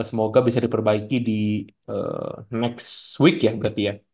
semoga bisa diperbaiki di next week ya berarti ya